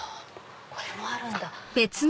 これもあるんだ！